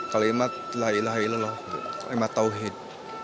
kalimat lahilah ilallah kalimat tawhid